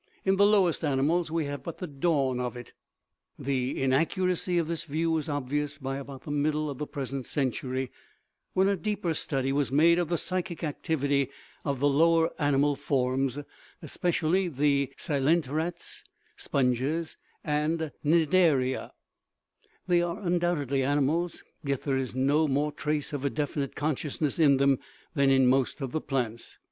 In the lowest animals we have but the dawn of it." The inaccuracy of this view was obvious by about the middle of the present century, when a deeper study was made of the psychic activity of the lower animal forms, especially the ccelenterates (sponges and cni daria) : they are undoubtedly animals, yet there is no more trace of a definite consciousness in them than in most of the plants.